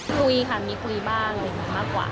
คุยค่ะมีคุยบ้างมีมากกว่า